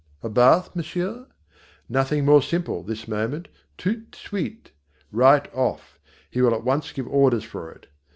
A bath, monsieur? Nothing more simple, this moment, tout de suite, right off, he will at once give orders for it.